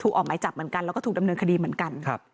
ออกหมายจับเหมือนกันแล้วก็ถูกดำเนินคดีเหมือนกัน